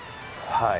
はい。